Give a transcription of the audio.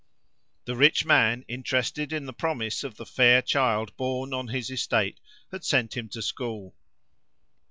The rich man, interested in the promise of the fair child born on his estate, had sent him to school.